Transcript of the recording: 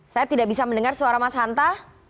saya tidak bisa mendengar suara mas hanta